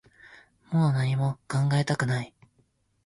もう何も考えたくない